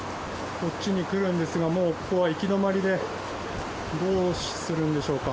こっちに来るんですがもうここは行き止まりでどうするんでしょうか。